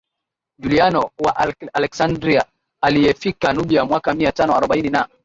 Juliano wa Aleksandria aliyefika Nubia mwaka mia tano arobaini na